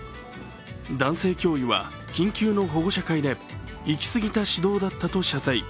男性教諭は緊急の保護者会で、行き過ぎた指導だったと謝罪。